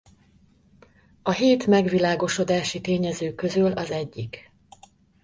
A hét megvilágosodási tényező közül az egyik.